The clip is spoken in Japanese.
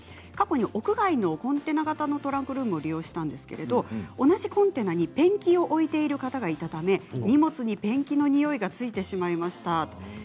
過去に屋外のコンテナ型のトランクルームを利用したんですが同じトランクルームにペンキを置いている方がいたので荷物にペンキのにおいがついてしまいました。